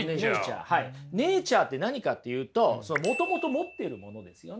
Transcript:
ネイチャーって何かっていうともともと持っているものですよね。